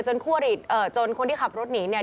คู่อริเอ่อจนคนที่ขับรถหนีเนี่ย